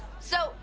そう。